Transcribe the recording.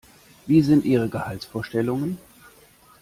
Wie sind Ihre Gehaltsvorstellungen?